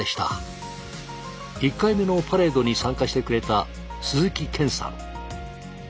１回目のパレードに参加してくれた鈴木賢さん。